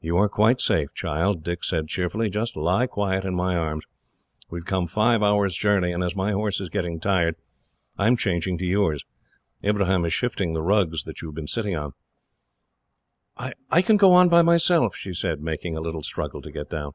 "You are quite safe, child," Dick said cheerfully. "Just lie quiet in my arms. We have come five hours' journey, and as my horse is getting tired, I am changing to yours. Ibrahim is shifting the rugs that you have been sitting on." "I can go on by myself," she said, making a little struggle to get down.